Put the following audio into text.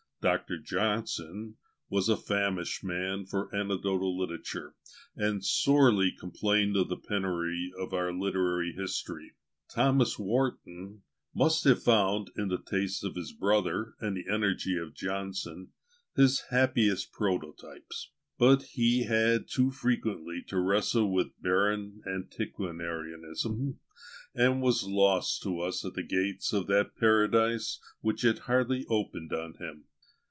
Dr. JOHNSON was a famished man for anecdotical literature, and sorely complained of the penury of our literary history. THOMAS WARTON must have found, in the taste of his brother and the energy of Johnson, his happiest prototypes; but he had too frequently to wrestle with barren antiquarianism, and was lost to us at the gates of that paradise which had hardly opened on him.